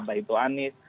entah itu anies